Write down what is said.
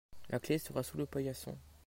la clé sera sous le paillason.